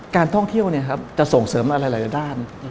การท่องเที่ยวจะส่งเสริมอะไรหลายด้าน